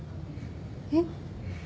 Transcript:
えっ？